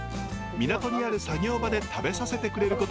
港にある作業場で食べさせてくれることに。